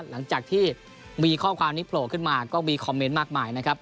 หลังจากที่มีข้อความนี้โผล่ขึ้นมาก็มีคอมเมนต์มากมายนะครับ